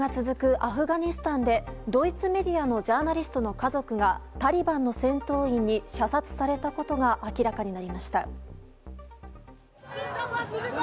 アフガニスタンでドイツメディアのジャーナリストの家族がタリバンの戦闘員に射殺されたことが明らかになりました。